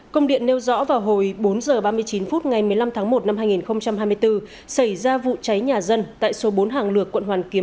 công điện nêu rõ vào hồi bốn h ba mươi chín phút ngày một mươi năm tháng một năm hai nghìn hai mươi bốn xảy ra vụ cháy nhà dân tại số bốn hàng lược quận hoàn kiếm